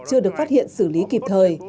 chưa được phát hiện xử lý kịp thời